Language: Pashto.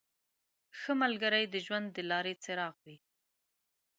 • ښه ملګری د ژوند د لارې څراغ وي.